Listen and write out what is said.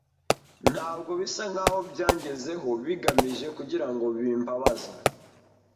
ntabwo bisa nkaho byangezeho bihagije kugirango bimbabaza